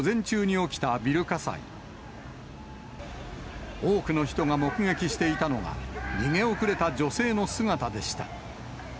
多くの人が目撃していたのが、逃げ遅れた女性の姿でした。